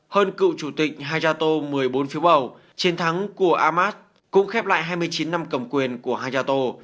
hơn cựu chủ tịch hayato một mươi bốn phiếu bầu chiến thắng của ahmad cũng khép lại hai mươi chín năm cầm quyền của hayato